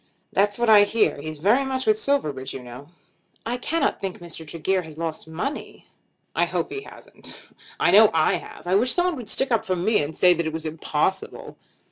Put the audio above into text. "That's what I hear. He's very much with Silverbridge you know." "I cannot think that Mr. Tregear has lost money." "I hope he hasn't. I know I have. I wish someone would stick up for me, and say that it was impossible."